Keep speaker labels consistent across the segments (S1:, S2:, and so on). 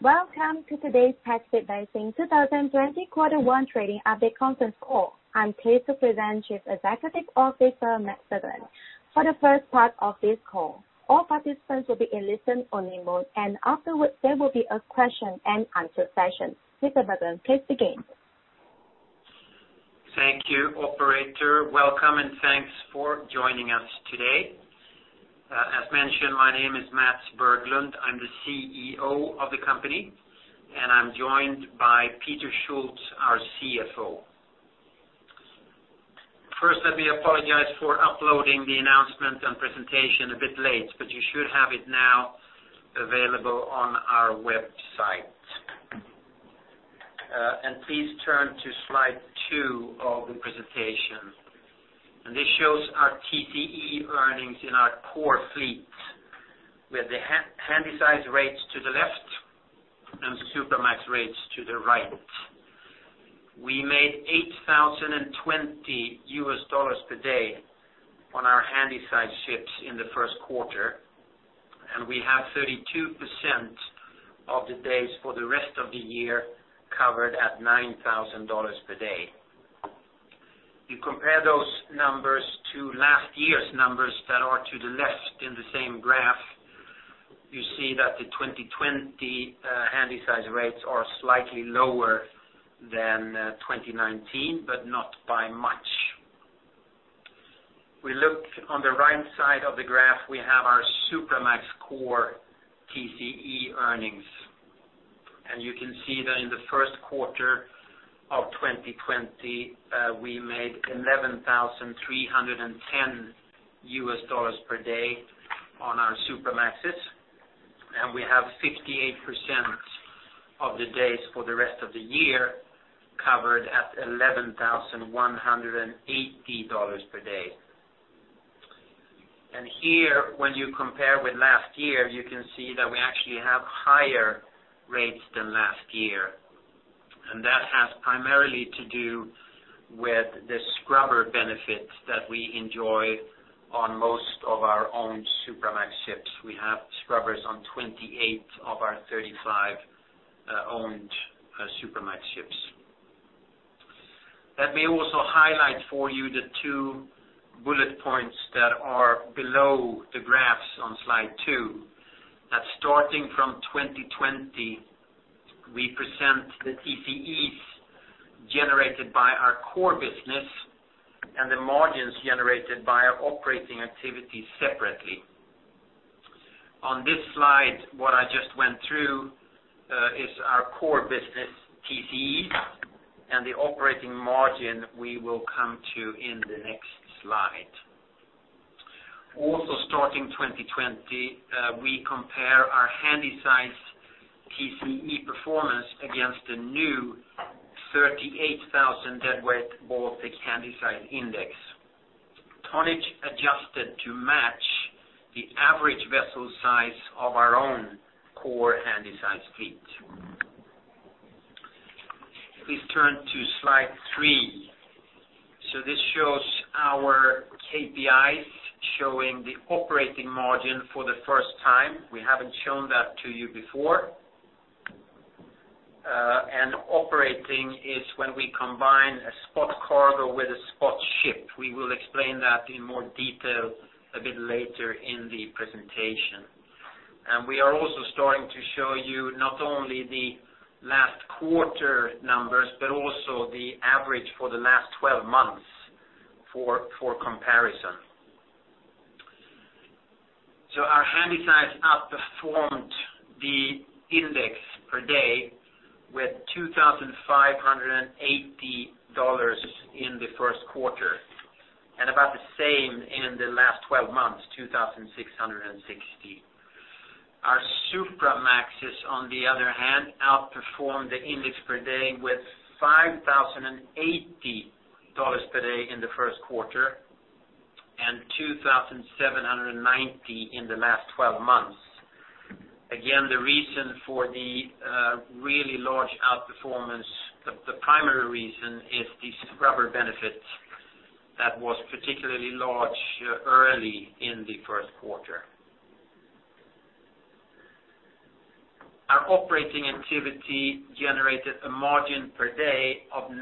S1: Welcome to today's Pacific Basin 2020 quarter one trading update conference call. I'm pleased to present Chief Executive Officer, Mats Berglund. For the first part of this call, all participants will be in listen-only mode, and afterwards, there will be a question-and-answer session. Mr. Berglund, please begin.
S2: Thank you, operator. Welcome, and thanks for joining us today. As mentioned, my name is Mats Berglund. I am the CEO of the company, and I am joined by Peter Schulz, our CFO. First, let me apologize for uploading the announcement and presentation a bit late, but you should have it now available on our website. Please turn to slide two of the presentation. This shows our TCE earnings in our core fleet with the Handysize rates to the left and Supramax rates to the right. We made $8,020 per day on our Handysize ships in the first quarter, and we have 32% of the days for the rest of the year covered at $9,000 per day. You compare those numbers to last year’s numbers that are to the left in the same graph, you see that the 2020 Handysize rates are slightly lower than 2019, but not by much. We look on the right side of the graph, we have our Supramax core TCE earnings. You can see that in the first quarter of 2020, we made $11,310 per day on our Supramaxes, and we have 58% of the days for the rest of the year covered at $11,180 per day. Here, when you compare with last year, you can see that we actually have higher rates than last year. That has primarily to do with the scrubber benefits that we enjoy on most of our owned Supramax ships. We have scrubbers on 28 of our 35 owned Supramax ships. Let me also highlight for you the two bullet points that are below the graphs on slide two. That starting from 2020, we present the TCEs generated by our core business and the margins generated by our operating activities separately. On this slide, what I just went through, is our core business TCEs and the operating margin we will come to in the next slide. Starting 2020, we compare our Handysize TCE performance against the new 38,000 deadweight Baltic Handysize Index. Tonnage adjusted to match the average vessel size of our own core Handysize fleet. Please turn to slide three. This shows our KPIs showing the operating margin for the first time. We haven't shown that to you before. Operating is when we combine a spot cargo with a spot ship. We will explain that in more detail a bit later in the presentation. We are also starting to show you not only the last quarter numbers, but also the average for the last 12 months for comparison. Our Handysize outperformed the index per day with $2,580 in the first quarter, and about the same in the last 12 months, $2,660. Our Supramaxes, on the other hand, outperformed the index per day with $5,080 per day in the first quarter and $2,790 in the last 12 months. The reason for the really large outperformance, the primary reason is the scrubber benefit that was particularly large early in the first quarter. Our operating activity generated a margin per day of $960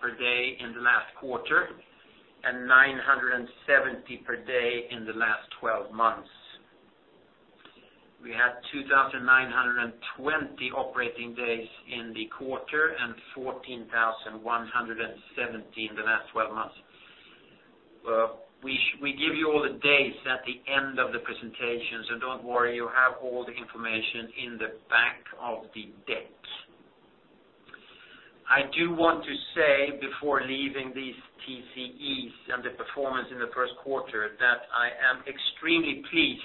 S2: per day in the last quarter and $970 per day in the last 12 months. We had 2,920 operating days in the quarter and 14,170 in the last 12 months. We give you all the days at the end of the presentation, so don't worry, you have all the information in the back of the deck. I do want to say before leaving these TCEs and the performance in the first quarter, that I am extremely pleased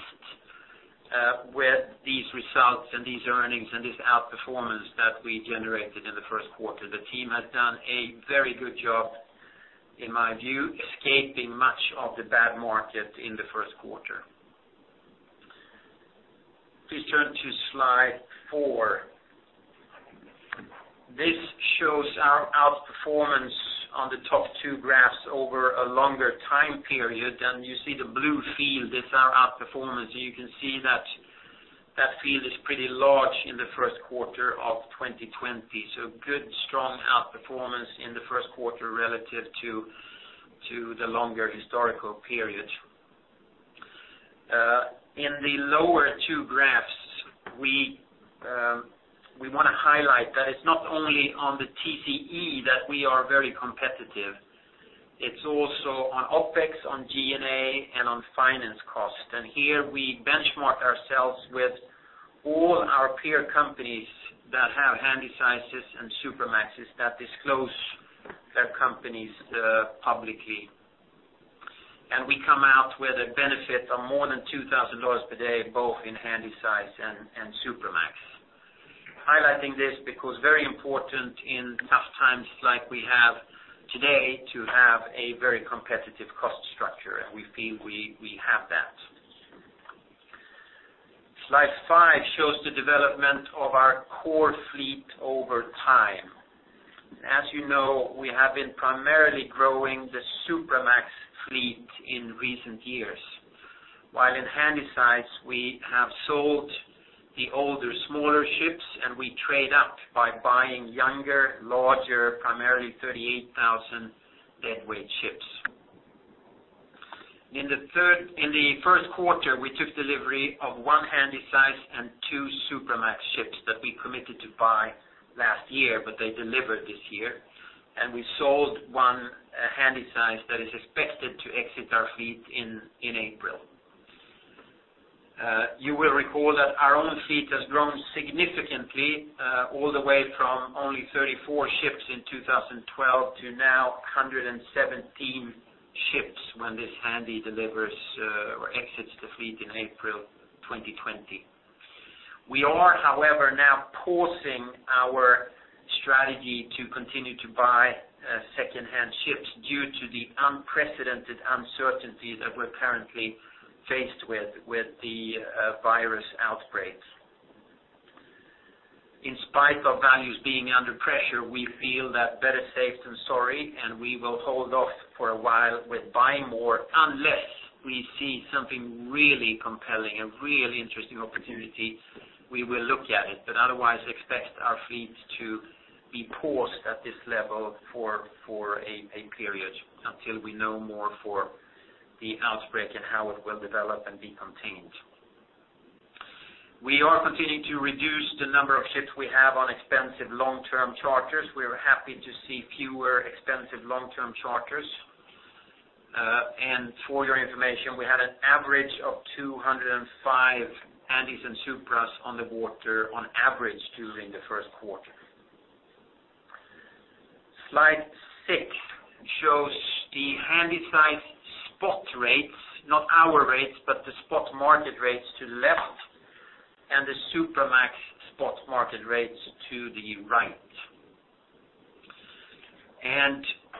S2: with these results and these earnings and this outperformance that we generated in the first quarter. The team has done a very good job, in my view, escaping much of the bad market in the first quarter. Please turn to slide four. On the top two graphs over a longer time period, you see the blue field is our outperformance. You can see that that field is pretty large in the first quarter of 2020. Good, strong outperformance in the first quarter relative to the longer historical period. In the lower two graphs, we want to highlight that it's not only on the TCE that we are very competitive, it's also on OpEx, on G&A, and on finance cost. Here we benchmark ourselves with all our peer companies that have Handysizes and Supramaxes that disclose their companies publicly. We come out with a benefit of more than $2,000 per day, both in Handysize and Supramax. Highlighting this because very important in tough times like we have today to have a very competitive cost structure, and we feel we have that. Slide five shows the development of our core fleet over time. As you know, we have been primarily growing the Supramax fleet in recent years. While in Handysize, we have sold the older, smaller ships, and we trade up by buying younger, larger, primarily 38,000 deadweight ships. In the first quarter, we took delivery of one Handysize and two Supramax ships that we committed to buy last year, but they delivered this year, and we sold one Handysize that is expected to exit our fleet in April. You will recall that our own fleet has grown significantly, all the way from only 34 ships in 2012 to now 117 ships when this Handy delivers or exits the fleet in April 2020. We are, however, now pausing our strategy to continue to buy second-hand ships due to the unprecedented uncertainty that we're currently faced with the virus outbreak. In spite of values being under pressure, we feel that better safe than sorry, and we will hold off for a while with buying more. Unless we see something really compelling, a really interesting opportunity, we will look at it, but otherwise, expect our fleet to be paused at this level for a period until we know more for the outbreak and how it will develop and be contained. We are continuing to reduce the number of ships we have on expensive long-term charters. We are happy to see fewer expensive long-term charters. For your information, we had an average of 205 Handys and Supras on the water on average during the first quarter. Slide six shows the Handysize spot rates, not our rates, but the spot market rates to left, and the Supramax spot market rates to the right.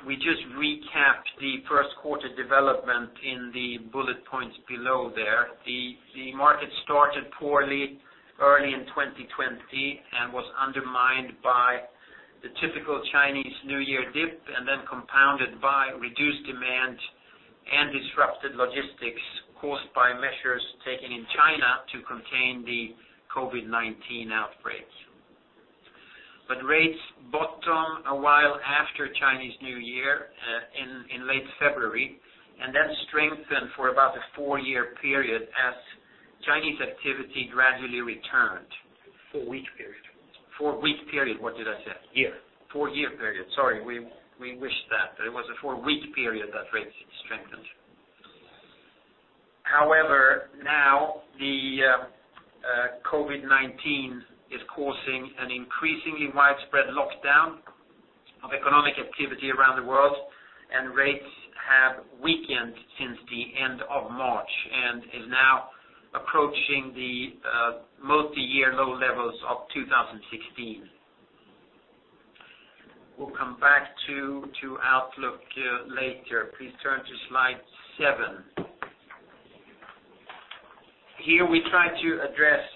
S2: We just recapped the first quarter development in the bullet points below there. The market started poorly early in 2020 and was undermined by the typical Chinese New Year dip and then compounded by reduced demand and disrupted logistics caused by measures taken in China to contain the COVID-19 outbreak. Rates bottom a while after Chinese New Year in late February and then strengthened for about a four-year period as Chinese activity gradually returned.
S3: Four-week period.
S2: Four-week period. What did I say?
S3: Year.
S2: four-year period. Sorry. We wished that, but it was a four-week period that rates strengthened. Now the COVID-19 is causing an increasingly widespread lockdown of economic activity around the world, and rates have weakened since the end of March and is now approaching the multi-year low levels of 2016. We'll come back to outlook later. Please turn to slide seven. Here we try to address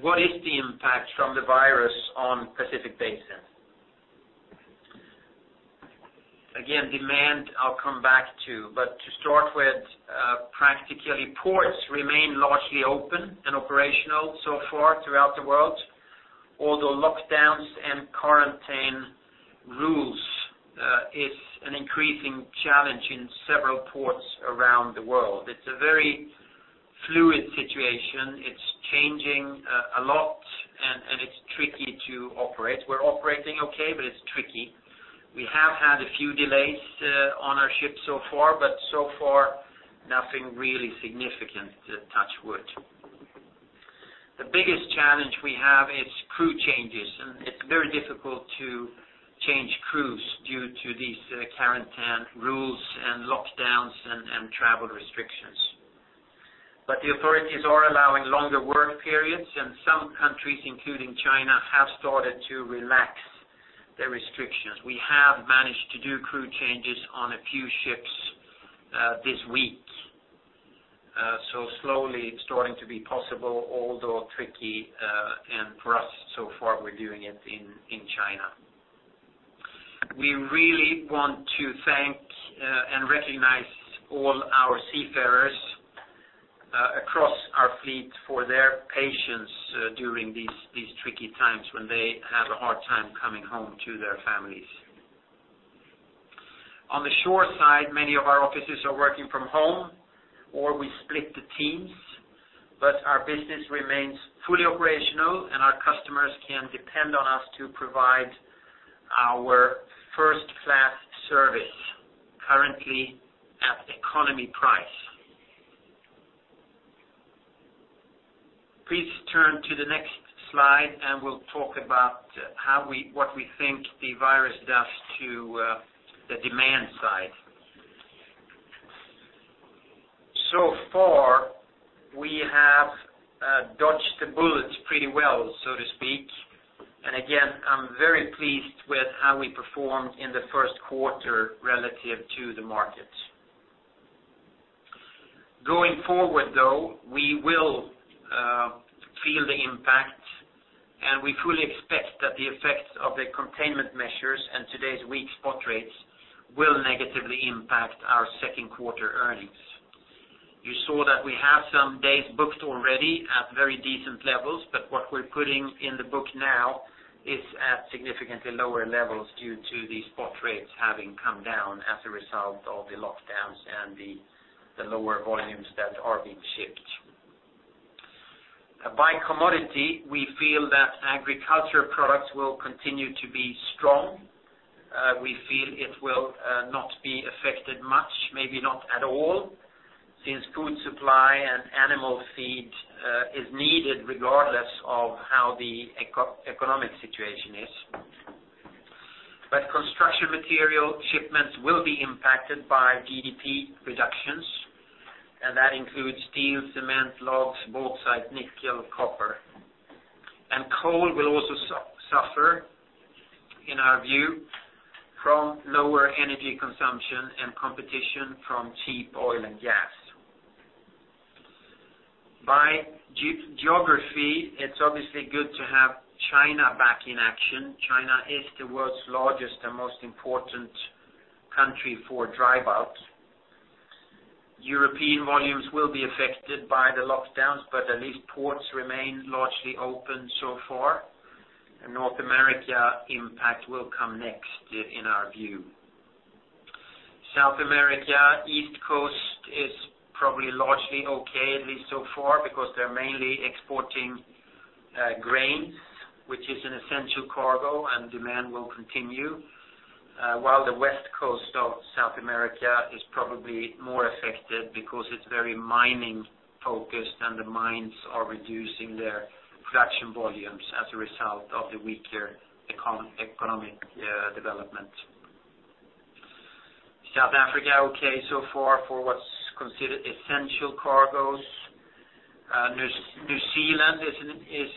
S2: what is the impact from the virus on Pacific Basin. Demand I'll come back to, but to start with, practically, ports remain largely open and operational so far throughout the world, although lockdowns and quarantine rules is an increasing challenge in several ports around the world. It's a very fluid situation. It's changing a lot, and it's tricky to operate. We're operating okay, but it's tricky. We have had a few delays on our ships so far, but so far, nothing really significant, touch wood. The biggest challenge we have is crew changes, and it is very difficult to change crews due to these quarantine rules and lockdowns and travel restrictions. The authorities are allowing longer work periods, and some countries, including China, have started to relax their restrictions. We have managed to do crew changes on a few ships this week. It is starting to be possible, although tricky, and for us so far, we are doing it in China. We really want to thank and recognize all our seafarers across our fleet for their patience during these tricky times when they have a hard time coming home to their families. On the shore side, many of our offices are working from home, or we split the teams. Our business remains fully operational, and our customers can depend on us to provide our first-class service, currently at economy price. Please turn to the next slide and we'll talk about what we think the virus does to the demand side. So far, we have dodged the bullets pretty well, so to speak. Again, I'm very pleased with how we performed in the first quarter relative to the market. Going forward, though, we will feel the impact, and we fully expect that the effects of the containment measures and today's weak spot rates will negatively impact our second quarter earnings. You saw that we have some days booked already at very decent levels, but what we're putting in the book now is at significantly lower levels due to the spot rates having come down as a result of the lockdowns and the lower volumes that are being shipped. By commodity, we feel that agriculture products will continue to be strong. We feel it will not be affected much, maybe not at all, since food supply and animal feed is needed regardless of how the economic situation is. Construction material shipments will be impacted by GDP reductions, and that includes steel, cement, logs, bauxite, nickel, copper. Coal will also suffer, in our view, from lower energy consumption and competition from cheap oil and gas. By geography, it's obviously good to have China back in action. China is the world's largest and most important country for dry bulk. European volumes will be affected by the lockdowns, at least ports remain largely open so far, North America impact will come next in our view. South America, East Coast is probably largely okay, at least so far, because they're mainly exporting grain, which is an essential cargo and demand will continue. The West Coast of South America is probably more affected because it's very mining focused and the mines are reducing their production volumes as a result of the weaker economic development. South Africa, okay so far for what's considered essential cargoes. New Zealand is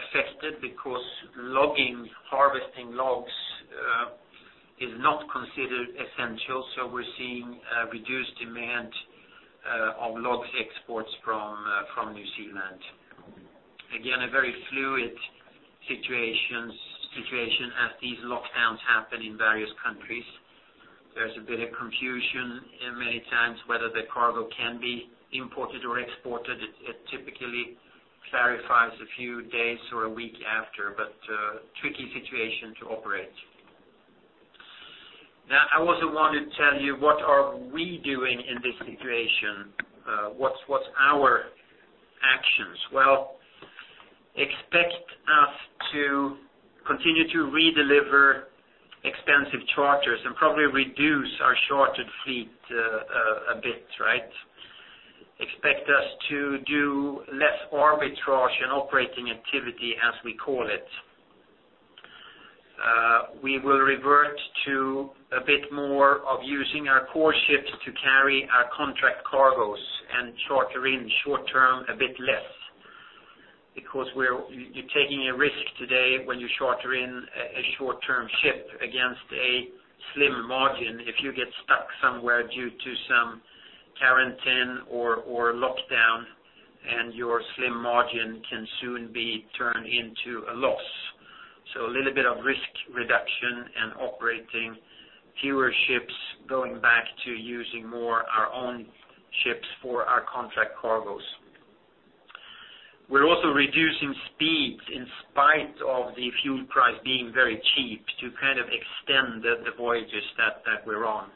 S2: affected because logging, harvesting logs, is not considered essential, so we're seeing reduced demand of log exports from New Zealand. A very fluid situation as these lockdowns happen in various countries. There's a bit of confusion many times whether the cargo can be imported or exported. It typically clarifies a few days or a week after, but a tricky situation to operate. I also want to tell you, what are we doing in this situation? What's our actions? Well, expect us to continue to redeliver expensive charters and probably reduce our chartered fleet a bit. Expect us to do less arbitrage and operating activity, as we call it. We will revert to a bit more of using our core ships to carry our contract cargoes and charter in short-term a bit less. You're taking a risk today when you charter in a short-term ship against a slim margin. If you get stuck somewhere due to some quarantine or lockdown and your slim margin can soon be turned into a loss. A little bit of risk reduction and operating fewer ships, going back to using more our own ships for our contract cargoes. We're also reducing speeds in spite of the fuel price being very cheap to extend the voyages that we're on.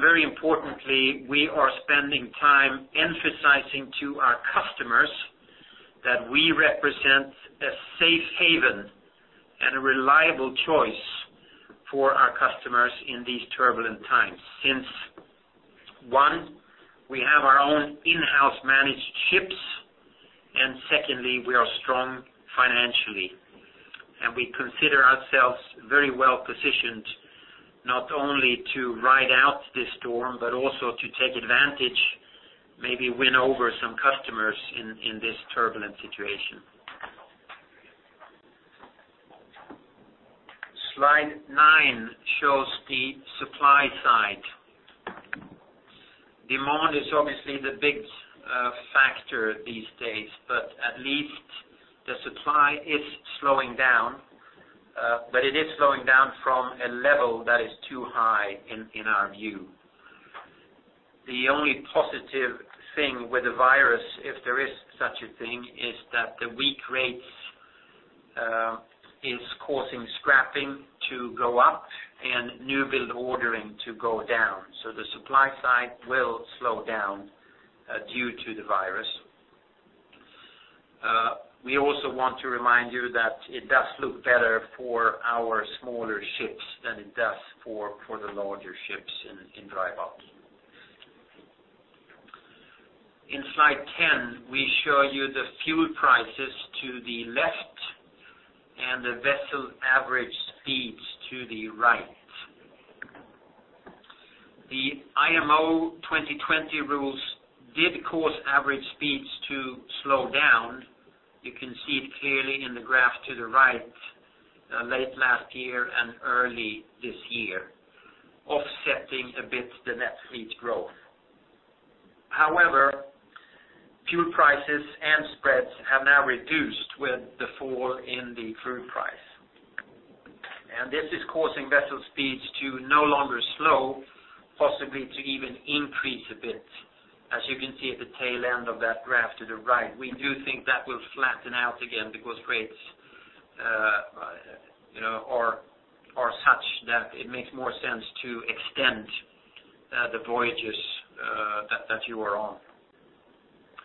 S2: Very importantly, we are spending time emphasizing to our customers that we represent a safe haven and a reliable choice for our customers in these turbulent times. Since, one, we have our own in-house managed ships, and secondly, we are strong financially. We consider ourselves very well-positioned, not only to ride out this storm, but also to take advantage, maybe win over some customers in this turbulent situation. Slide nine shows the supply side. Demand is obviously the big factor these days, but at least the supply is slowing down. It is slowing down from a level that is too high in our view. The only positive thing with the virus, if there is such a thing, is that the weak rates is causing scrapping to go up and new build ordering to go down. The supply side will slow down due to the virus. We also want to remind you that it does look better for our smaller ships than it does for the larger ships in dry bulk. In slide 10, we show you the fuel prices to the left and the vessel average speeds to the right. The IMO 2020 rules did cause average speeds to slow down. You can see it clearly in the graph to the right, late last year and early this year, offsetting a bit the net fleet growth. However, fuel prices and spreads have now reduced with the fall in the crude price. This is causing vessel speeds to no longer slow, possibly to even increase a bit, as you can see at the tail end of that graph to the right. We do think that will flatten out again because rates are such that it makes more sense to extend the voyages that you are on,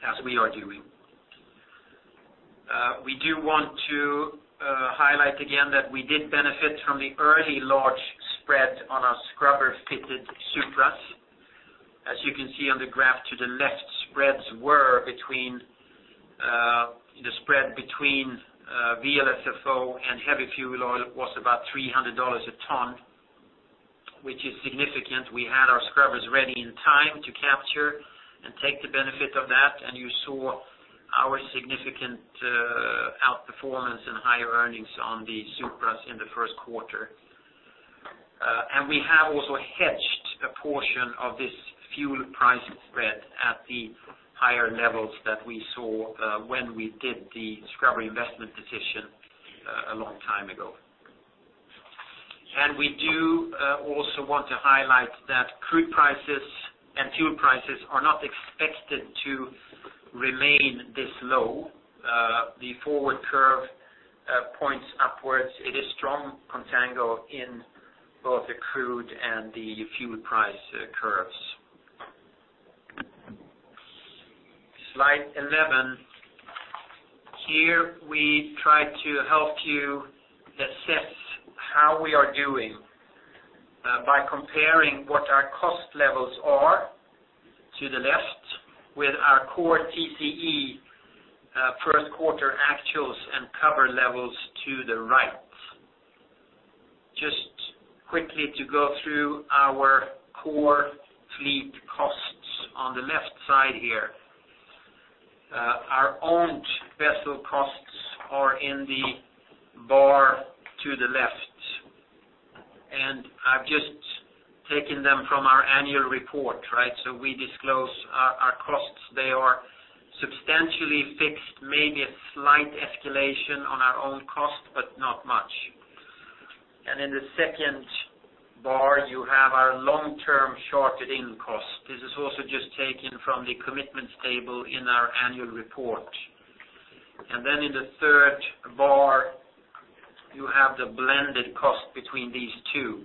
S2: as we are doing. We do want to highlight again that we did benefit from the early large spread on our scrubber-fitted Supras. As you can see on the graph to the left, the spread between VLSFO and heavy fuel oil was about $300 a ton, which is significant. We had our scrubbers ready in time to capture and take the benefit of that, and you saw our significant outperformance and higher earnings on the Supras in the first quarter. We have also hedged a portion of this fuel price spread at the higher levels that we saw when we did the scrubber investment decision a long time ago. We do also want to highlight that crude prices and fuel prices are not expected to remain this low. The forward curve points upwards. It is strong contango in both the crude and the fuel price curves. Slide 11. Here, we try to help you assess how we are doing by comparing what our cost levels are to the left, with our core TCE first quarter actuals and cover levels to the right. Just quickly to go through our core fleet costs on the left side here. Our owned vessel costs are in the bar to the left. I've just taken them from our annual report. We disclose our costs. They are substantially fixed, maybe a slight escalation on our own cost, but not much. In the second bar, you have our long-term chartered-in cost. This is also just taken from the commitments table in our annual report. In the third bar, you have the blended cost between these two.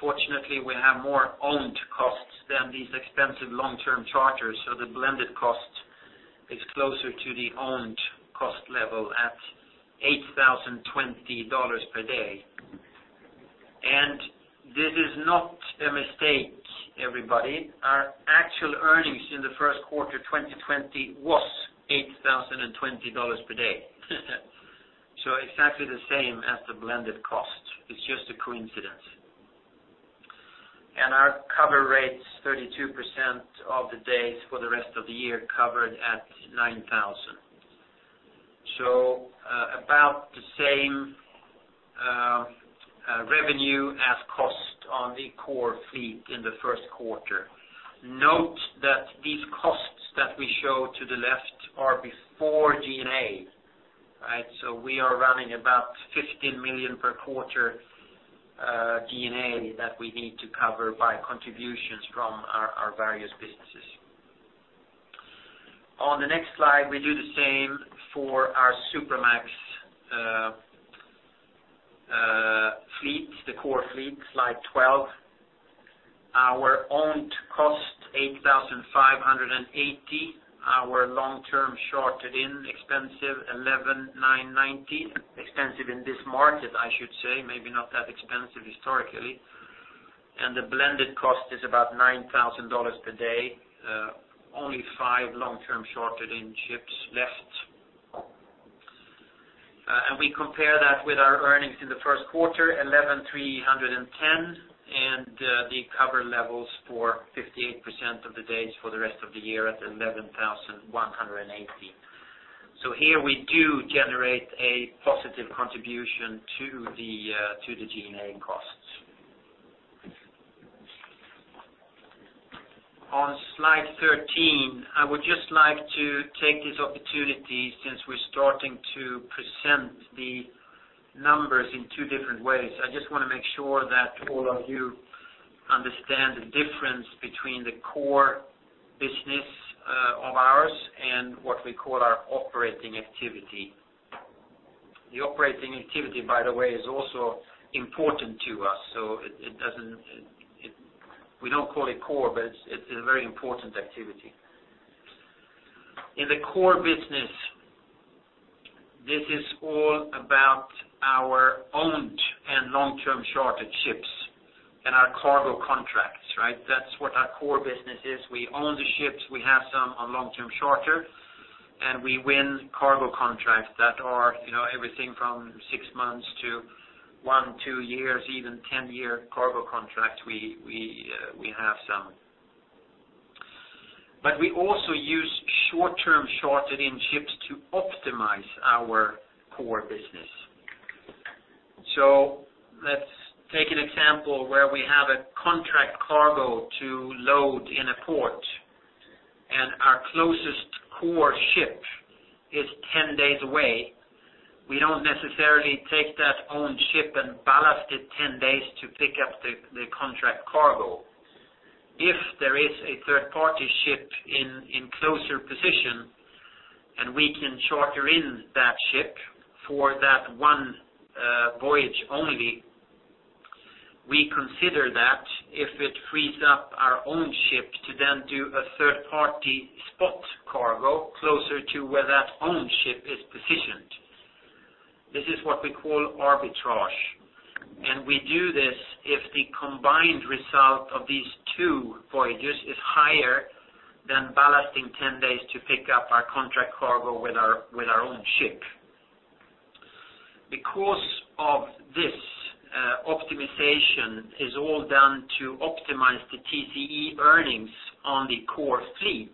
S2: Fortunately, we have more owned costs than these expensive long-term charters, the blended cost is closer to the owned cost level at $8,020 per day. This is not a mistake, everybody. Our actual earnings in the first quarter 2020 was $8,020 per day. Exactly the same as the blended cost. It's just a coincidence. Our cover rates, 32% of the days for the rest of the year covered at $9,000. About the same revenue as cost on the core fleet in the first quarter. Note that these costs that we show to the left are before G&A. We are running about $15 million per quarter G&A that we need to cover by contributions from our various businesses. On the next slide, we do the same for our Supramax fleet, the core fleet, slide 12. Our owned cost, $8,580. Our long-term chartered-in, expensive, $11,990. Expensive in this market, I should say, maybe not that expensive historically. The blended cost is about $9,000 per day. Only five long-term chartered-in ships left. We compare that with our earnings in the first quarter, $11,310, and the cover levels for 58% of the days for the rest of the year at $11,180. Here we do generate a positive contribution to the G&A costs. On slide 13, I would just like to take this opportunity since we're starting to present the numbers in two different ways. I just want to make sure that all of you understand the difference between the core business of ours and what we call our operating activity. The operating activity, by the way, is also important to us. We don't call it core, but it's a very important activity. In the core business, this is all about our owned and long-term chartered ships and our cargo contracts. That's what our core business is. We own the ships. We have some on long-term charter, and we win cargo contracts that are everything from six months to one, two years, even 10-year cargo contracts, we have some. We also use short-term chartered-in ships to optimize our core business. Let's take an example where we have a contract cargo to load in a port and our closest core ship is 10 days away. We don't necessarily take that owned ship and ballast it 10 days to pick up the contract cargo. If there is a third-party ship in closer position and we can charter in that ship for that one voyage only, we consider that if it frees up our own ship to then do a third party spot cargo closer to where that owned ship is positioned. This is what we call arbitrage, and we do this if the combined result of these two voyages is higher than ballasting 10 days to pick up our contract cargo with our own ship. Because of this, optimization is all done to optimize the TCE earnings on the core fleet.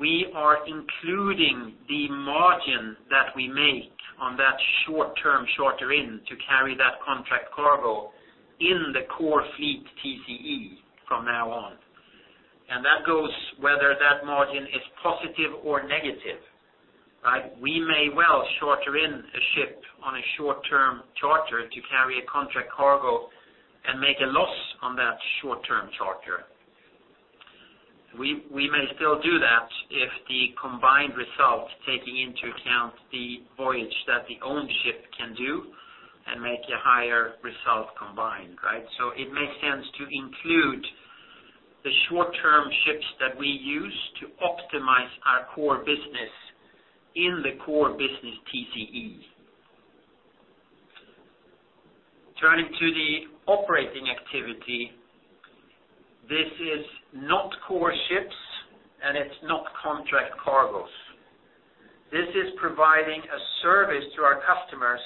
S2: We are including the margin that we make on that short-term charter-in to carry that contract cargo in the core fleet TCE from now on. That goes whether that margin is positive or negative. We may well charter in a ship on a short-term charter to carry a contract cargo and make a loss on that short-term charter. We may still do that if the combined result, taking into account the voyage that the owned ship can do, and make a higher result combined. It makes sense to include the short-term ships that we use to optimize our core business in the core business TCE. Turning to the operating activity, this is not core ships and it's not contract cargoes. This is providing a service to our customers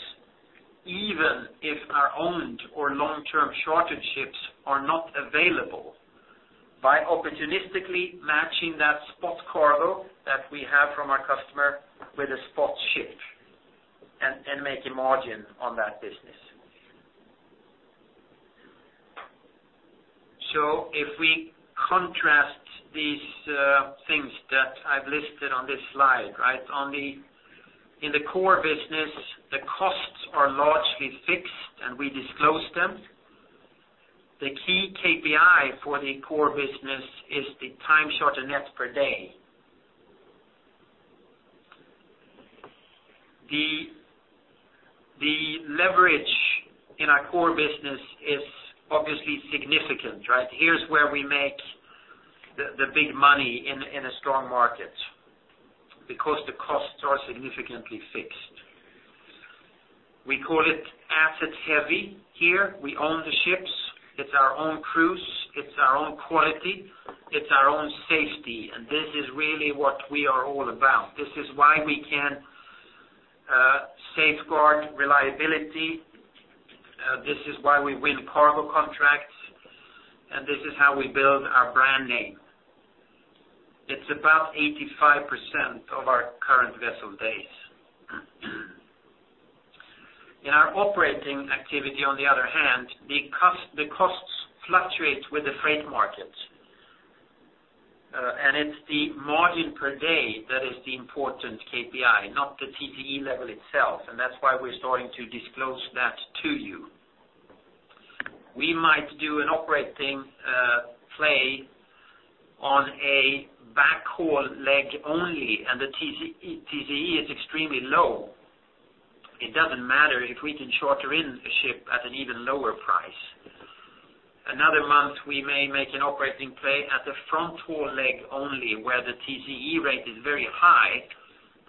S2: even if our owned or long-term chartered ships are not available by opportunistically matching that spot cargo that we have from our customer with a spot ship and make a margin on that business. If we contrast these things that I've listed on this slide. In the core business, the costs are largely fixed and we disclose them. The key KPI for the core business is the time charter net per day. The leverage in our core business is obviously significant. Here's where we make the big money in a strong market because the costs are significantly fixed. We call it asset heavy here. We own the ships. It's our own crews, it's our own quality, it's our own safety. This is really what we are all about. This is why we can safeguard reliability. This is why we win cargo contracts, and this is how we build our brand name. It's about 85% of our current vessel days. In our operating activity on the other hand, the costs fluctuate with the freight market. It's the margin per day that is the important KPI, not the TCE level itself, and that's why we're starting to disclose that to you. We might do an operating play on a backhaul leg only and the TCE is extremely low. It doesn't matter if we can charter in a ship at an even lower price. Another month, we may make an operating play at the front haul leg only where the TCE rate is very high.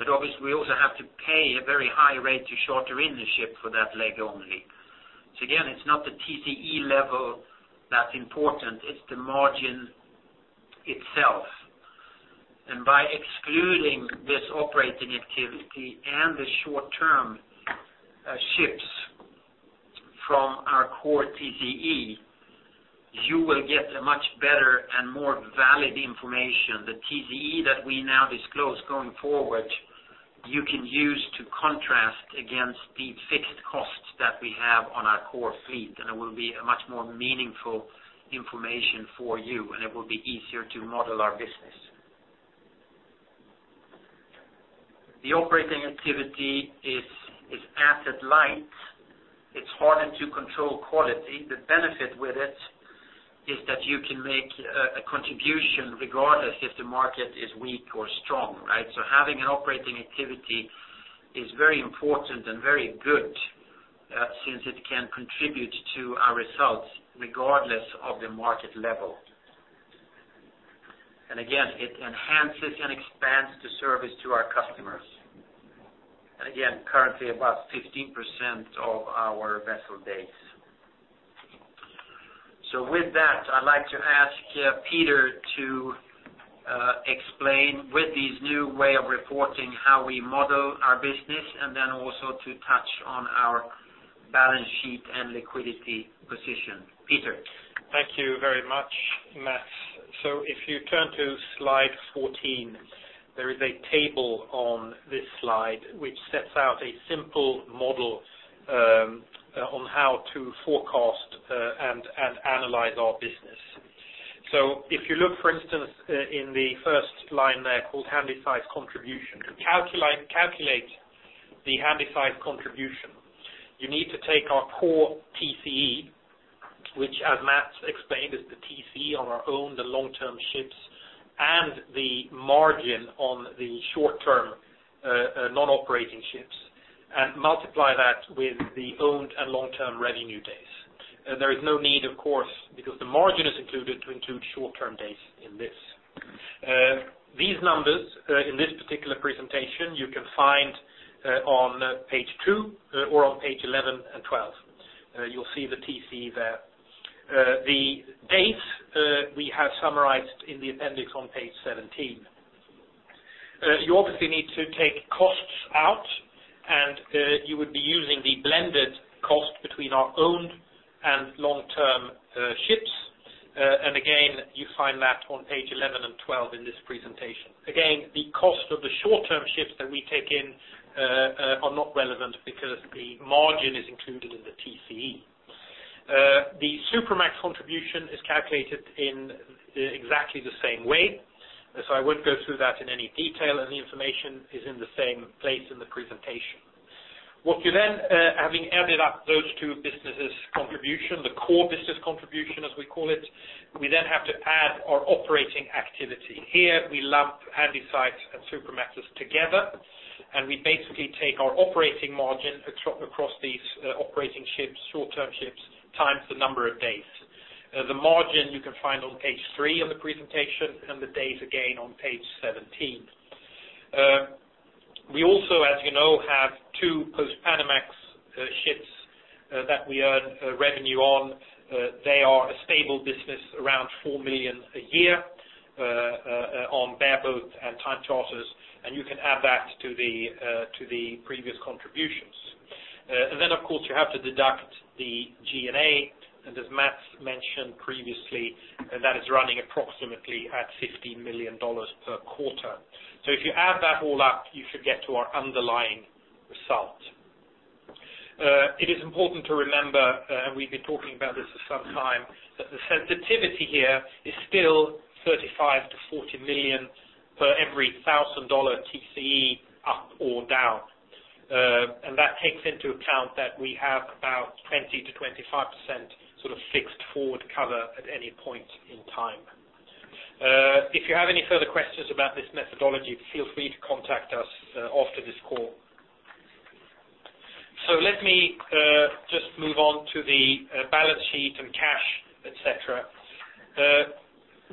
S2: Obviously, we also have to pay a very high rate to charter in the ship for that leg only. Again, it's not the TCE level that's important, it's the margin itself. By excluding this operating activity and the short-term ships from our core TCE, you will get a much better and more valid information. The TCE that we now disclose going forward, you can use to contrast against the fixed costs that we have on our core fleet, and it will be a much more meaningful information for you, and it will be easier to model our business. The operating activity is asset-light. It's harder to control quality. The benefit with it is that you can make a contribution regardless if the market is weak or strong, right? Having an operating activity is very important and very good, since it can contribute to our results regardless of the market level. Again, it enhances and expands the service to our customers. Again, currently about 15% of our vessel days. With that, I'd like to ask Peter to explain with this new way of reporting how we model our business, and then also to touch on our balance sheet and liquidity position. Peter?
S3: Thank you very much, Mats. If you turn to slide 14, there is a table on this slide which sets out a simple model on how to forecast and analyze our business. If you look, for instance, in the first line there called Handysize contribution. To calculate the Handysize contribution, you need to take our core TCE, which, as Mats explained, is the TCE on our owned, the long-term ships, and the margin on the short-term non-operating ships, and multiply that with the owned and long-term revenue days. There is no need, of course, because the margin is included to include short-term days in this. These numbers, in this particular presentation, you can find on page two or on page 11 and 12. You'll see the TCE there. The dates, we have summarized in the appendix on page 17. You obviously need to take costs out, and you would be using the blended cost between our owned and long-term ships. Again, you find that on page 11 and 12 in this presentation. Again, the cost of the short-term ships that we take in are not relevant because the margin is included in the TCE. The Supramax contribution is calculated in exactly the same way. I won't go through that in any detail, and the information is in the same place in the presentation. What you then, having added up those two businesses' contribution, the core business contribution, as we call it, we then have to add our operating activity. Here, we lump Handysize and Supramaxes together, and we basically take our operating margin across these operating ships, short-term ships, times the number of days. The margin you can find on page three of the presentation, the days, again, on page 17. We also, as you know, have two Post-Panamax ships that we earn revenue on. They are a stable business, around $4 million a year on bareboat and time charters, you can add that to the previous contributions. Then, of course, you have to deduct the G&A, and as Mats mentioned previously, that is running approximately at $15 million per quarter. If you add that all up, you should get to our underlying result. It is important to remember, we've been talking about this for some time, that the sensitivity here is still $35 million-$40 million for every $1,000 TCE up or down. That takes into account that we have about 20%-25% sort of fixed forward cover at any point in time. If you have any further questions about this methodology, feel free to contact us after this call. Let me just move on to the balance sheet and cash, et cetera.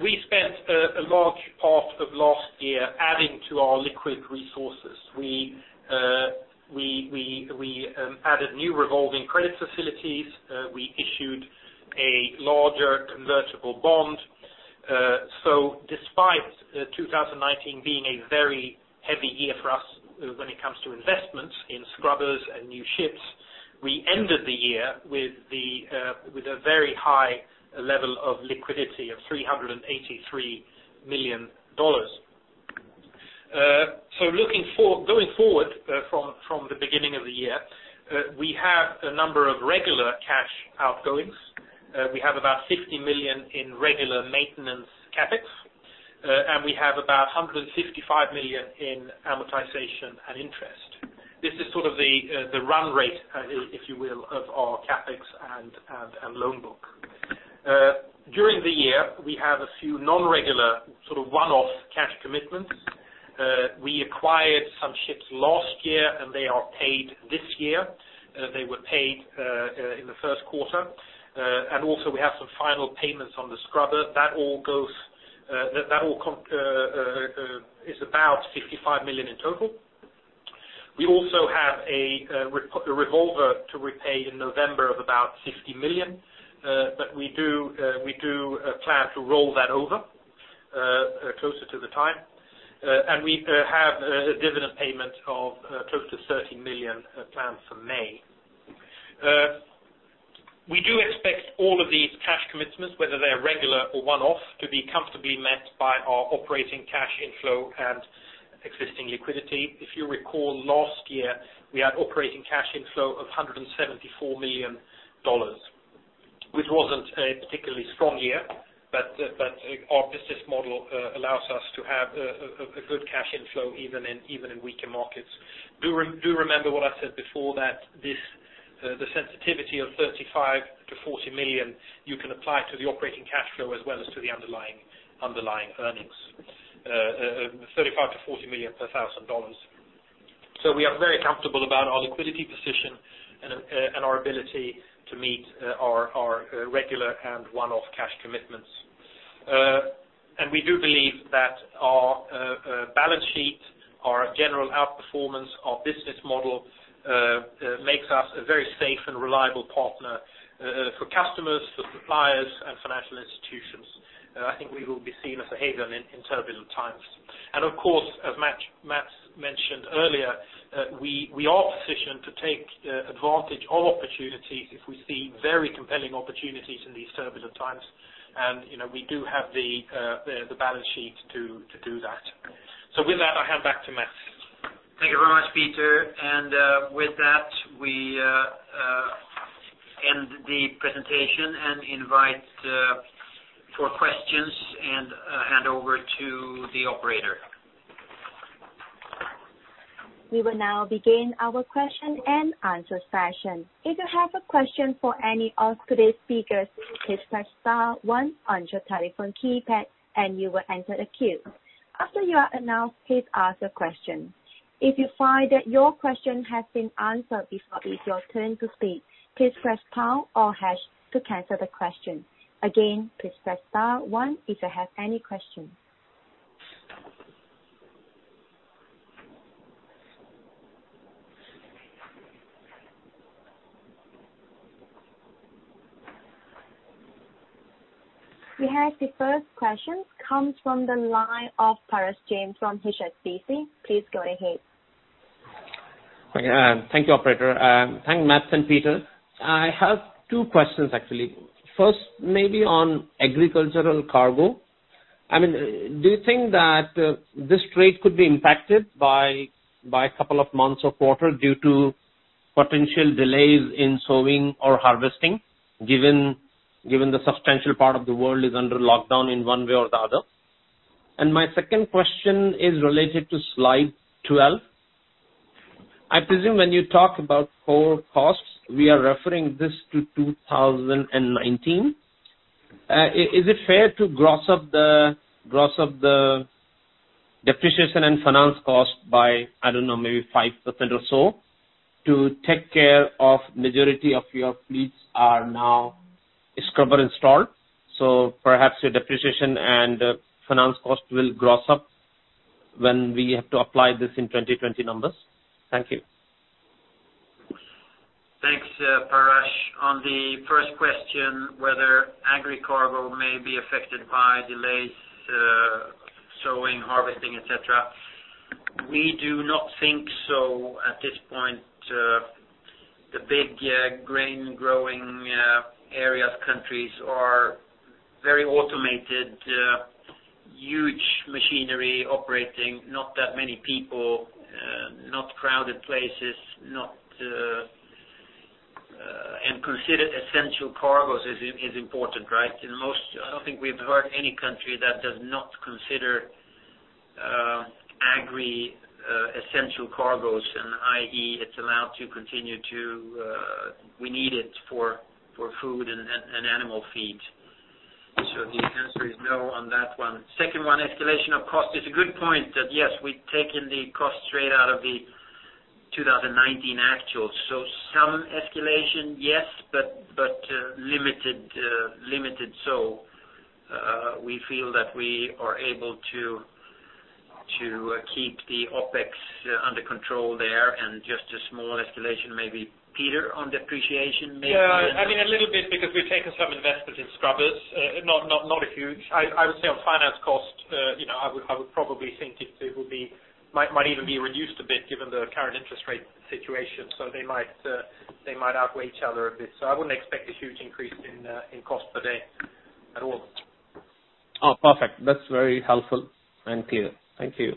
S3: We spent a large part of last year adding to our liquid resources. We added new revolving credit facilities. We issued a larger convertible bond. Despite 2019 being a very heavy year for us when it comes to investments in scrubbers and new ships, we ended the year with a very high level of liquidity of $383 million. Going forward from the beginning of the year, we have a number of regular cash outgoings. We have about $50 million in regular maintenance CapEx, and we have about $155 million in amortization and interest. This is sort of the run rate, if you will, of our CapEx and loan book. During the year, we have a few non-regular sort of one-off cash commitments. We acquired some ships last year; they are paid this year. They were paid in the first quarter. We have some final payments on the scrubber. That all is about $55 million in total. We also have a revolver to repay in November of about $50 million, but we do plan to roll that over closer to the time. We have a dividend payment of close to $30 million planned for May. We do expect all of these cash commitments, whether they are regular or one-off, to be comfortably met by our operating cash inflow and existing liquidity. If you recall, last year, we had operating cash inflow of $174 million, which wasn't a particularly strong year. Our business model allows us to have a good cash inflow even in weaker markets. Do remember what I said before, that the sensitivity of $35 million-$40 million, you can apply to the operating cash flow as well as to the underlying earnings. $35 million-$40 million per $1,000. We are very comfortable about our liquidity position and our ability to meet our regular and one-off cash commitments. We do believe that our balance sheet, our general outperformance, our business model, makes us a very safe and reliable partner for customers, for suppliers, and financial institutions. I think we will be seen as a haven in turbulent times. Of course, as Mats mentioned earlier, we are positioned to take advantage of opportunities if we see very compelling opportunities in these turbulent times. We do have the balance sheet to do that. With that, I hand back to Mats.
S2: Thank you very much, Peter. With that, we end the presentation and invite for questions and hand over to the operator.
S1: We will now begin our question-and-answer session. If you have a question for any of today's speakers, please press star one on your telephone keypad and you will enter the queue. After you are announced, please ask your question. If you find that your question has been answered before it is your turn to speak, please press pound or hash to cancel the question. Again, please press star one if you have any questions. We have the first question, comes from the line of Parash Jain from HSBC. Please go ahead.
S4: Thank you, operator. Thank you, Mats and Peter. I have two questions, actually. Maybe on agricultural cargo. Do you think that this trade could be impacted by a couple of months of quarter due to potential delays in sowing or harvesting, given the substantial part of the world is under lockdown in one way or the other? My second question is related to slide 12. I presume when you talk about core costs, we are referring this to 2019. Is it fair to gross up the depreciation and finance cost by, I don't know, maybe 5% or so to take care of majority of your fleets are now scrubber installed? Perhaps your depreciation and finance cost will gross up when we have to apply this in 2020 numbers. Thank you.
S2: Thanks, Parash. On the first question, whether agri-cargo may be affected by delays, sowing, harvesting, et cetera. We do not think so at this point. The big grain-growing areas, countries are very automated, huge machinery operating, not that many people, not crowded places. Considered essential cargoes is important, right? I don't think we've heard any country that does not consider agri essential cargoes, i.e., it's allowed to continue. We need it for food and animal feed. The answer is no on that one. Second one, escalation of cost. It's a good point that, yes, we've taken the cost straight out of the 2019 actual. Some escalation, yes, but limited. We feel that we are able to keep the OpEx under control there and just a small escalation, maybe, Peter, on depreciation maybe.
S3: Yeah, a little bit because we've taken some investment in scrubbers, not a huge. I would say on finance cost, I would probably think it might even be reduced a bit given the current interest rate situation. They might outweigh each other a bit. I wouldn't expect a huge increase in cost per day at all.
S4: Oh, perfect. That's very helpful and clear. Thank you.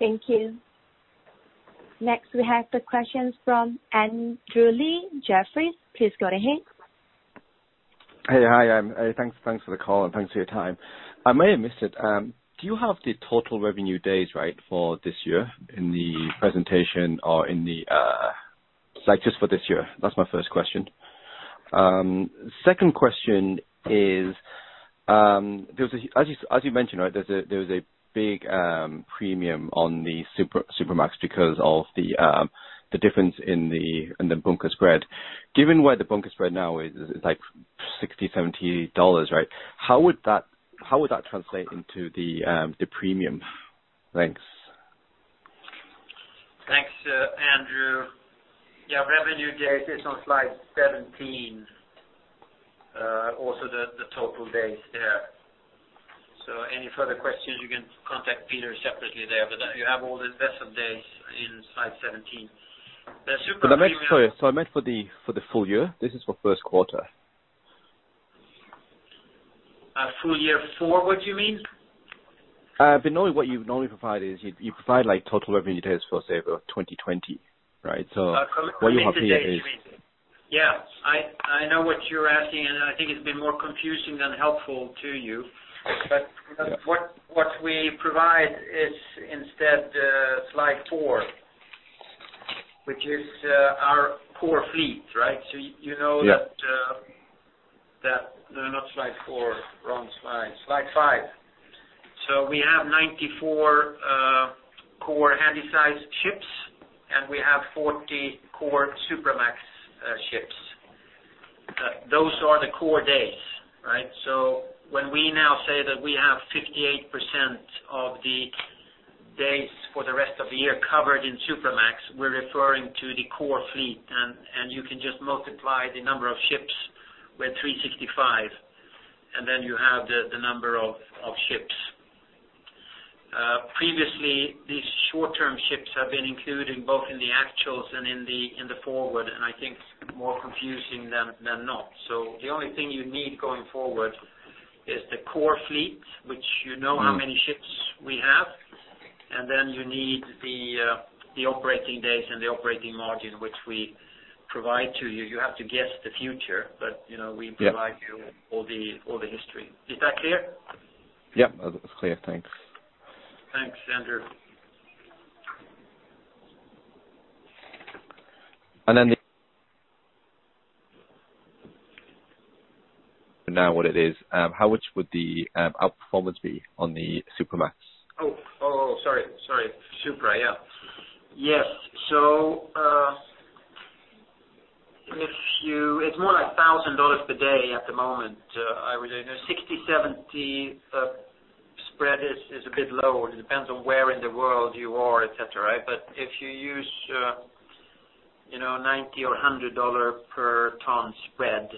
S3: Yeah.
S1: Thank you. Next, we have the questions from Andrew Lee, Jefferies. Please go ahead.
S5: Hey. Hi, thanks for the call and thanks for your time. I may have missed it. Do you have the total revenue days, right, for this year in the presentation? Like just for this year. That's my first question. Second question is, as you mentioned, right, there was a big premium on the Supramax because of the difference in the bunker spread. Given where the bunker spread now is, it's like $60, $70, right? How would that translate into the premium? Thanks.
S2: Andrew. Yeah, revenue days is on slide 17. Also, the total days there. Any further questions, you can contact Peter separately there, but you have all the vessel days in slide 17. The Supra-
S5: I meant for the full year. This is for first quarter.
S2: Full year forward, you mean?
S5: Normally what you've normally provided is, you provide total revenue days for, say, 2020, right? What you have here is.
S2: Revenue days, you mean. Yeah, I know what you're asking. I think it's been more confusing than helpful to you.
S5: Okay. Yeah.
S2: What we provide is instead, slide four, which is our core fleet, right?
S5: Yeah.
S2: No, not slide four, wrong slide. Slide five. We have 94 core Handysize ships, and we have 40 core Supramax ships. Those are the core days, right? When we now say that we have 58% of the days for the rest of the year covered in Supramax, we're referring to the core fleet, and you can just multiply the number of ships with 365, and then you have the number of ships. Previously, these short-term ships have been included both in the actuals and in the forward, and I think it's more confusing than not. The only thing you need going forward is the core fleet, which you know how many ships we have, and then you need the operating days and the operating margin which we provide to you. You have to guess the future, but we provide you all the history. Is that clear?
S5: Yep, that's clear. Thanks.
S2: Thanks, Andrew.
S5: How much would the outperformance be on the Supramax?
S2: Oh, sorry. Supra, yeah. Yes. It's more like $1,000 per day at the moment. I would say $60-$70 spread is a bit low. It depends on where in the world you are, et cetera, right? If you use $90 or $100 per ton spread,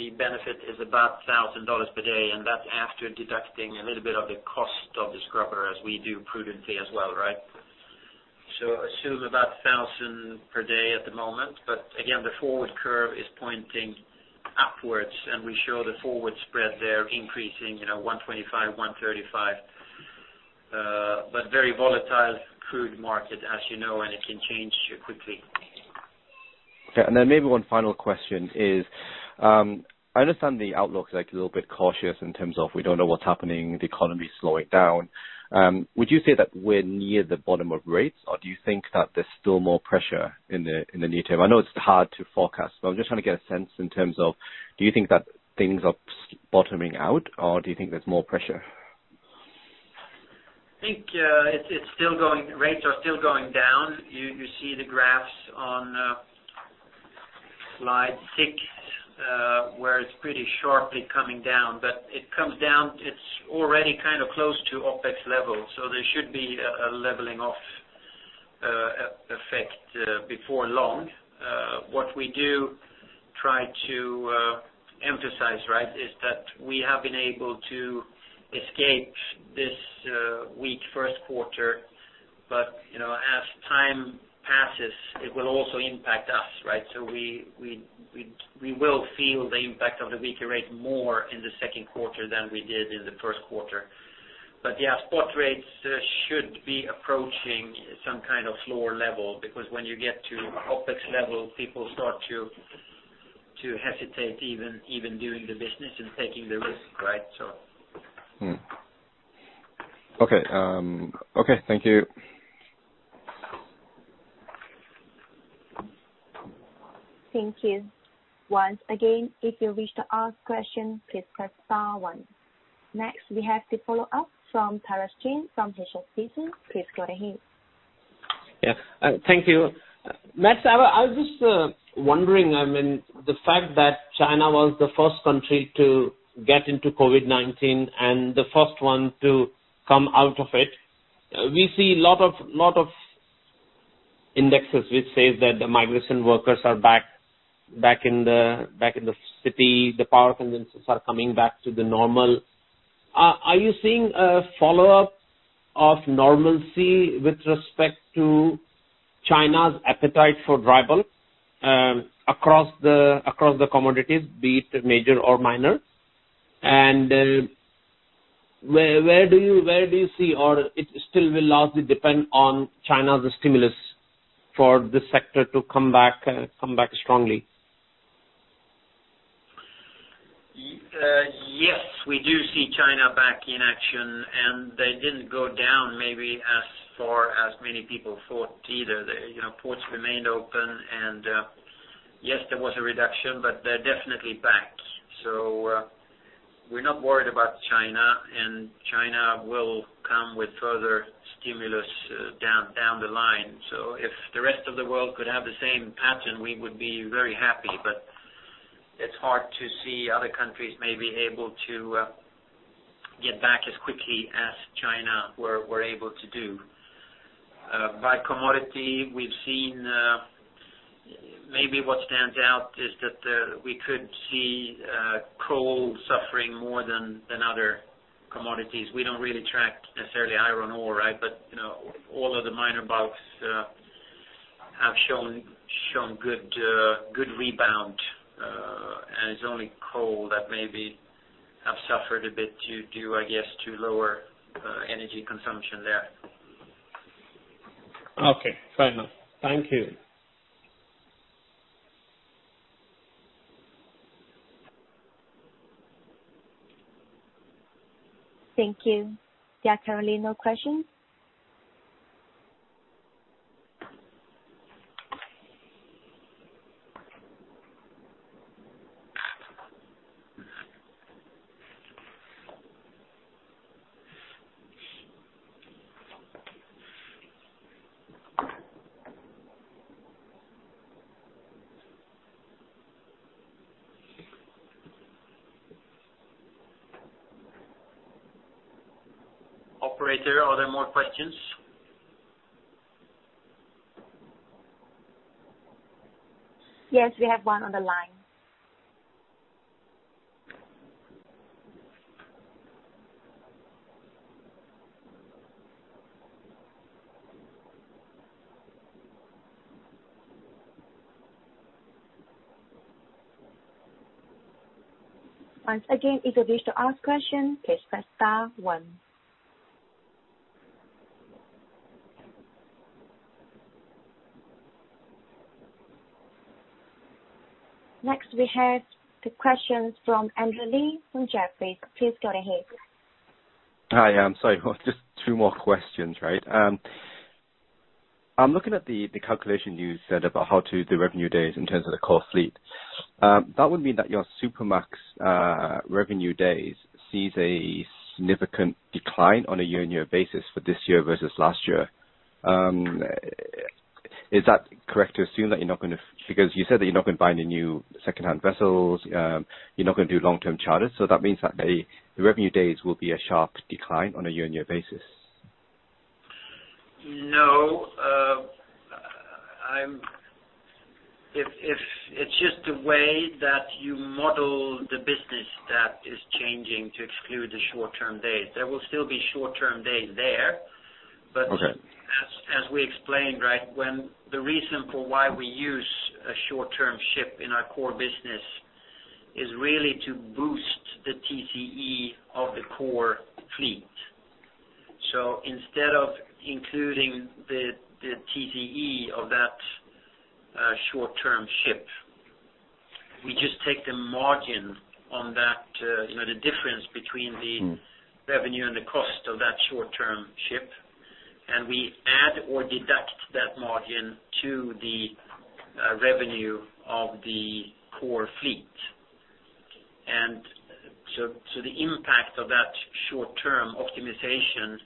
S2: the benefit is about $1,000 per day, and that's after deducting a little bit of the cost of the scrubber, as we do prudently as well, right? Assume about $1,000 per day at the moment. Again, the forward curve is pointing upwards, and we show the forward spread there increasing, $125, $135. Very volatile crude market, as you know, and it can change quickly.
S5: Okay, maybe one final question is, I understand the outlook's a little bit cautious in terms of we don't know what's happening, the economy's slowing down. Would you say that we're near the bottom of rates, or do you think that there's still more pressure in the near term? I know it's hard to forecast, but I'm just trying to get a sense in terms of, do you think that things are bottoming out, or do you think there's more pressure?
S2: I think rates are still going down. You see the graphs on slide six, where it's pretty sharply coming down. It comes down, it's already close to OpEx level, there should be a leveling off effect before long. What we do try to emphasize is that we have been able to escape this weak first quarter. As time passes, it will also impact us, right? We will feel the impact of the weaker rate more in the second quarter than we did in the first quarter. Yeah, spot rates should be approaching some kind of lower level because when you get to OpEx level, people start to hesitate even doing the business and taking the risk, right?
S5: Okay. Thank you.
S1: Thank you. Once again, if you wish to ask questions, please press star one. Next, we have the follow-up from Parash Jain from HSBC. Please go ahead.
S4: Yeah. Thank you. Mats, I was just wondering, the fact that China was the first country to get into COVID-19 and the first one to come out of it, we see lot of indexes which says that the migration workers are back in the city, the power consumption are coming back to the normal. Are you seeing a follow-up of normalcy with respect to China's appetite for dry bulk across the commodities, be it major or minor? Where do you see, or it still will largely depend on China's stimulus for this sector to come back strongly?
S2: Yes. We do see China back in action, they didn't go down maybe as far as many people thought either. The ports remained open, yes, there was a reduction, they're definitely back. We're not worried about China will come with further stimulus down the line. If the rest of the world could have the same pattern, we would be very happy, it's hard to see other countries may be able to get back as quickly as China were able to do. By commodity, we've seen maybe what stands out is that we could see coal suffering more than other commodities. We don't really track necessarily iron ore, all of the minor bulks have shown good rebound. It's only coal that maybe have suffered a bit, I guess, to lower energy consumption there.
S4: Okay, fair enough. Thank you.
S1: Thank you. There are currently no questions.
S2: Operator, are there more questions?
S1: Yes, we have one on the line. Once again, if you wish to ask questions, please press star one. Next, we have the questions from Andrew Lee from Jefferies. Please go ahead.
S5: Hi, I'm sorry. Just two more questions. I'm looking at the calculation you said about how to do revenue days in terms of the core fleet. That would mean that your Supramax revenue days sees a significant decline on a year-on-year basis for this year versus last year. Is that correct to assume that, because you said that you're not going to buy any new secondhand vessels, you're not going to do long-term charters? That means that the revenue days will be a sharp decline on a year-on-year basis.
S2: No. It's just the way that you model the business that is changing to exclude the short-term days. There will still be short-term days there.
S5: Okay.
S2: As we explained, the reason for why we use a short-term ship in our core business is really to boost the TCE of the core fleet. Instead of including the TCE of that short-term ship, we just take the margin on that, the difference between the revenue and the cost of that short-term ship, and we add or deduct that margin to the revenue of the core fleet. The impact of that short-term optimization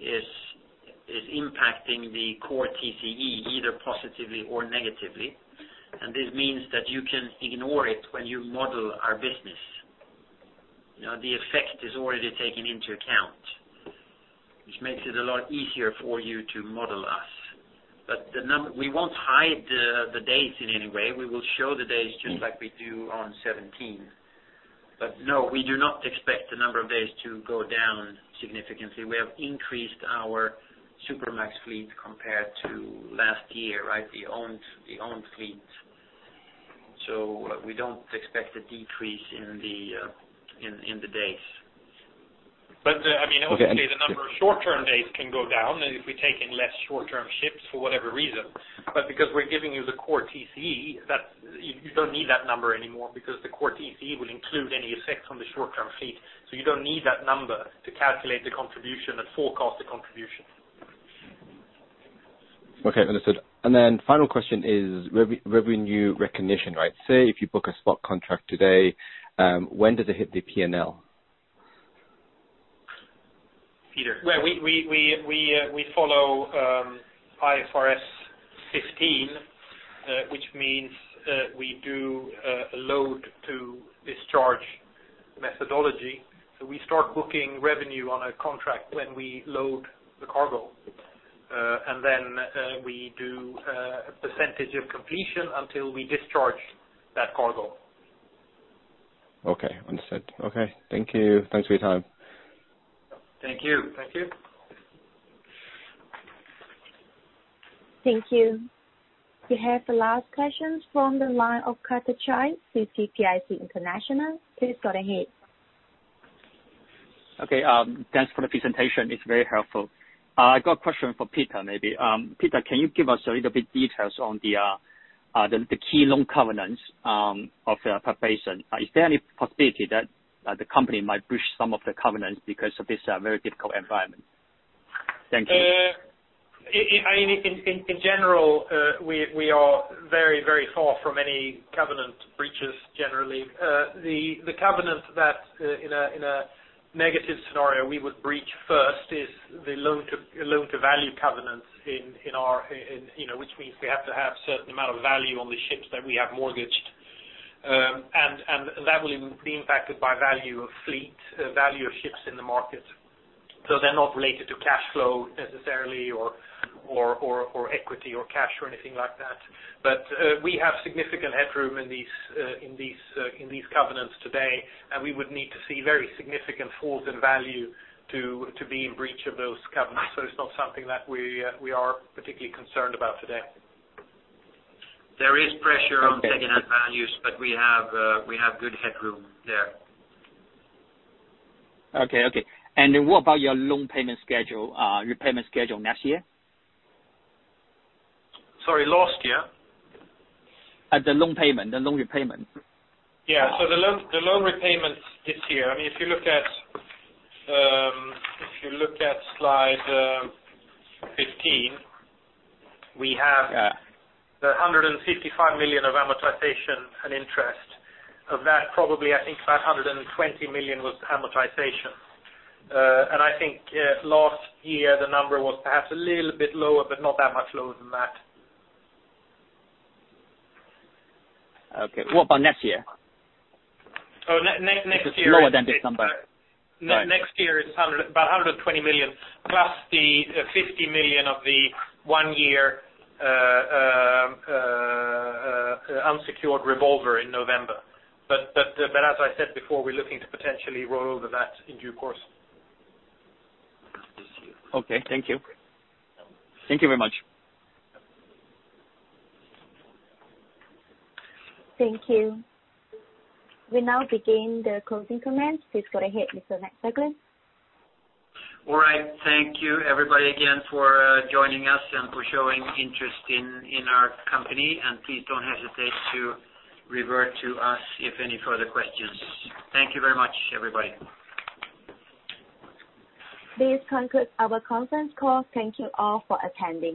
S2: is impacting the core TCE, either positively or negatively. This means that you can ignore it when you model our business. The effect is already taken into account, which makes it a lot easier for you to model us. We won't hide the days in any way. We will show the days just like we do on 2017. No, we do not expect the number of days to go down significantly. We have increased our Supramax fleet compared to last year, the owned fleet. We don't expect a decrease in the days.
S3: Obviously, the number of short-term days can go down if we take in less short-term ships for whatever reason. Because we're giving you the core TCE, you don't need that number anymore because the core TCE will include any effect on the short-term fleet. You don't need that number to calculate the contribution and forecast the contribution.
S5: Okay, understood. Final question is revenue recognition. Say, if you book a spot contract today, when does it hit the P&L?
S2: Peter.
S3: Well, we follow IFRS 15, which means we do a load to discharge methodology. We start booking revenue on a contract when we load the cargo, and then we do a percentage of completion until we discharge that cargo.
S5: Okay, understood. Okay. Thank you. Thanks for your time.
S2: Thank you.
S3: Thank you.
S1: Thank you. We have the last questions from the line of [Carter Child], CITIC International. Please go ahead.
S6: Thanks for the presentation. It's very helpful. I got a question for Peter, maybe. Peter, can you give us a little bit details on the key loan covenants of the corporation? Is there any possibility that the company might breach some of the covenants because of this very difficult environment? Thank you.
S3: In general, we are very far from any covenant breaches, generally. The covenant that in a negative scenario we would breach first is the loan to value covenants, which means we have to have certain amount of value on the ships that we have mortgaged. That will be impacted by value of fleet, value of ships in the market. They're not related to cash flow necessarily or equity or cash or anything like that. We have significant headroom in these covenants today, and we would need to see very significant falls in value to be in breach of those covenants. It's not something that we are particularly concerned about today.
S2: There is pressure on secondhand values, but we have good headroom there.
S6: Okay. What about your loan repayment schedule next year?
S3: Sorry, last year?
S6: The loan repayment.
S3: Yeah. The loan repayments this year, if you look at slide 15, we have.
S6: Yeah
S3: the $155 million of amortization and interest. Of that, probably, I think, about $120 million was amortization. I think last year, the number was perhaps a little bit lower, but not that much lower than that.
S6: Okay, what about next year?
S3: Oh, next year.
S6: Is it lower than this number?
S3: Next year is about $120 million plus the $50 million of the one-year unsecured revolver in November. As I said before, we're looking to potentially roll over that in due course.
S6: Okay, thank you. Thank you very much.
S1: Thank you. We now begin the closing comments. Please go ahead, Mr. Mats Berglund.
S2: All right. Thank you, everybody, again, for joining us and for showing interest in our company, and please don't hesitate to revert to us if any further questions. Thank you very much, everybody.
S1: This concludes our conference call. Thank you all for attending.